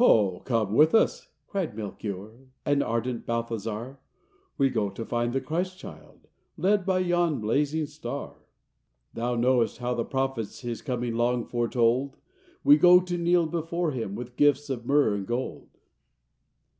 “O come with us!” cried Melchior, And ardent Balthazar, “We go to find the Christ child, Led by yon blazing star! Thou knowest how the prophets His coming long foretold; We go to kneel before Him With gifts of myrrh and gold.